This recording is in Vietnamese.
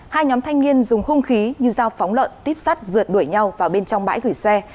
hai nhóm thanh niên dùng hung khí như dao phóng lợn tuyếp sắt rượt đuổi nhau vào bên trong bãi gửi xe